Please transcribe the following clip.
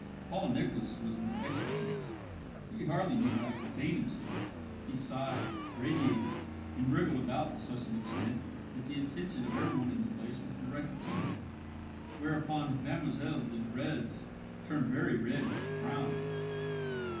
Paul Nicholas was in ecstasies. He hardly knew how to contain himself; he sighed, radiated, and wriggled about to such an extent that the attention of every one in the place was directed to him; whereupon Mlle de Nurrez turned very red and frowned.